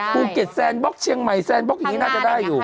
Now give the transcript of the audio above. ภูเก็ตแซนบล็อกเชียงใหม่แซนบล็อกอย่างนี้น่าจะได้อยู่